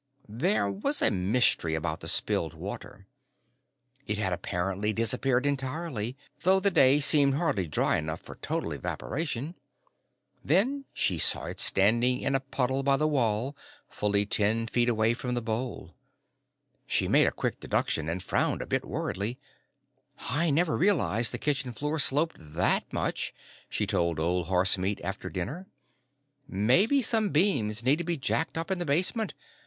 There was a mystery about the spilled water. It had apparently disappeared entirely, though the day seemed hardly dry enough for total evaporation. Then she saw it standing in a puddle by the wall fully ten feet away from the bowl. She made a quick deduction and frowned a bit worriedly. "I never realized the kitchen floor sloped that much," she told Old Horsemeat after dinner. "Maybe some beams need to be jacked up in the basement.